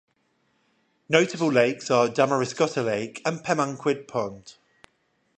Notable lakes are Damariscotta Lake and Pemaquid Pond.